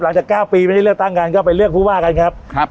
หลังจากเก้าปีไม่ได้เลือกตั้งกันก็ไปเลือกผู้ว่ากันครับครับ